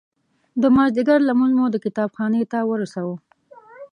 د مازدیګر لمونځ مو د کتاب خانې ته ورساوه.